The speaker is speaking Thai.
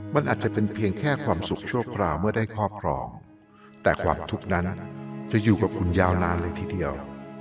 มันอาจจะเป็นเพียงแค่ความสุขชั่วคราวเมื่อได้ครอบครองแต่ความทุกข์นั้นจะอยู่กับคุณยาวนานเลยทีเดียว